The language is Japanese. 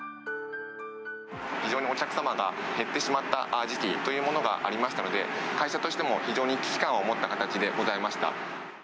非常にお客様が減ってしまった時期というものがありましたので、会社としても非常に危機感を持った形でございました。